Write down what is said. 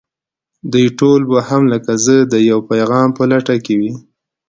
دوی ټول به هم لکه زه د يوه پيغام په لټه کې وي.